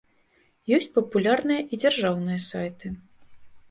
Ёсць папулярныя і дзяржаўныя сайты.